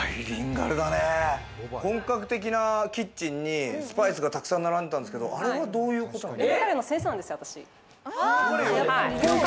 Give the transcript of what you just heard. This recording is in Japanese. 本格的なキッチンにスパイスがたくさん並んでたんですけれども、あれはどういうことなんですか？